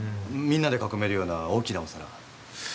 みんなで囲めるような大きなお皿。